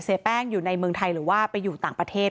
แป้งอยู่ในเมืองไทยหรือว่าไปอยู่ต่างประเทศ